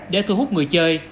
để thu hút người chơi